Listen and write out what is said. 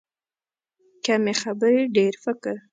کمې خبرې، ډېر فکر.